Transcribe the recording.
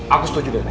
aku setuju dengan itu